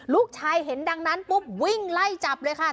ลูกชายเห็นดังนั้นปุ๊บวิ่งไล่จับเลยค่ะ